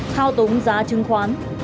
thao túng giá chứng khoán